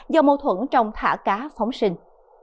do mâu thuẫn trong thả cá phóng sinh